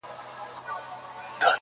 هېڅکله د ټول کندهار نمایندګي نشي کولی